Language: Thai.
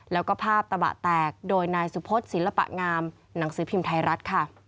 แล้วก็ภาพตะบะแตกโดยนายสุพศศิลปะงามหนังสือพิมพ์ไทยรัฐค่ะ